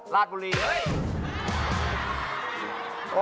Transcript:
ราชบุรีเฮ้ย